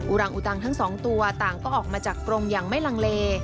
รังอุตังทั้งสองตัวต่างก็ออกมาจากกรงอย่างไม่ลังเล